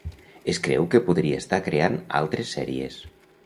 Es creu que podria estar creant altres sèries.